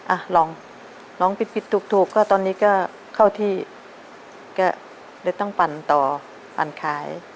อ่ะลองร้องผิดผิดถูกก็ตอนนี้ก็เข้าที่ก็เลยต้องปั่นต่อปั่นขาย